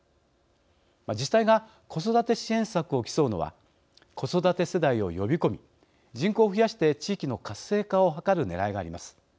自治体が子育て支援策を競うのは子育て世代を呼び込み人口を増やして、地域の活性化を図るねらいがあります。